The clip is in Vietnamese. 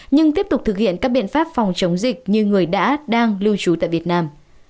nhưng tiếp tục thực hiện các biện pháp phòng chống dịch như người đã đang lưu trú tại việt nam